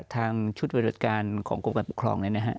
ทางชุดปฏิบัติการของกรมการปกครอง